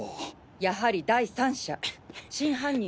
やはり第三者真犯人